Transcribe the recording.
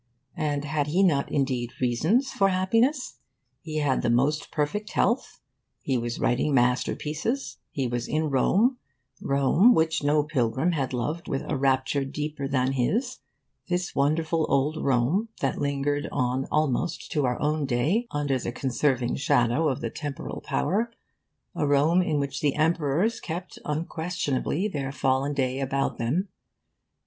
And had he not indeed reasons for happiness? He had the most perfect health, he was writing masterpieces, he was in Rome Rome which no pilgrim had loved with a rapture deeper than his; the wonderful old Rome that lingered on almost to our own day, under the conserving shadow of the Temporal Power; a Rome in which the Emperors kept unquestionably their fallen day about them.